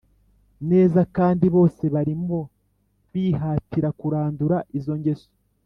Nezakandi bose barimo bihatira kurandura iyo ngeso